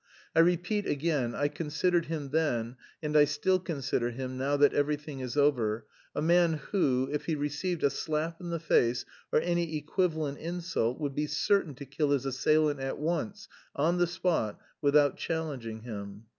I repeat again, I considered him then, and I still consider him (now that everything is over), a man who, if he received a slap in the face, or any equivalent insult, would be certain to kill his assailant at once, on the spot, without challenging him.